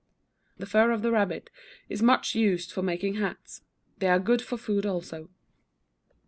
The fur of the rabbit is much used for making hats. They are good for food also.